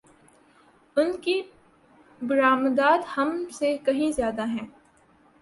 ان کی برآمدات ہم سے کہیں زیادہ ہیں۔